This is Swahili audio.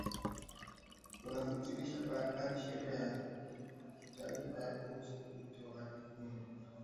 unafutilia mbali sheria ya kitaifa ya kuruhusu utoaji mimba